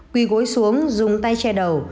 quý gối xuống dùng tay che đầu